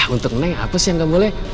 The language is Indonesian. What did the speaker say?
untuk neng apa sih yang gak boleh